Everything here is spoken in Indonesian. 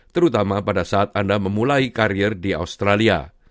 terutama pada saat anda memulai karir di australia